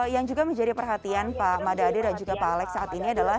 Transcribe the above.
yang juga menjadi perhatian pak mada ade dan juga pak alex saat ini adalah